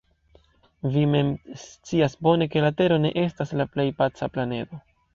Vi mem scias bone, ke la tero ne estas la plej paca planedo.